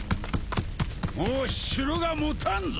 もう城が持たんぞ。